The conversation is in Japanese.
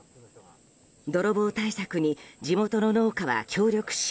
泥棒対策に地元の農家は協力し